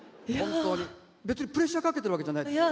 別にプレッシャーかけてるわけじゃないですよ。